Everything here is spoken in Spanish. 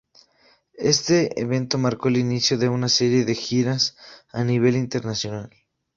Este evento marcó el inicio de una serie de giras a nivel internacional.